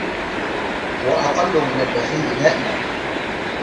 وَأَقَلُّ مِنْ الْبَخِيلِ نَائِلُهُ